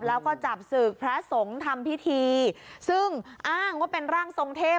แล้วก็จับศึกพระสงฆ์ทำพิธีซึ่งอ้างว่าเป็นร่างทรงเทพ